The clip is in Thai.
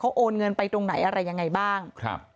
เขาโอนเงินไปตรงไหนอะไรยังไงบ้าง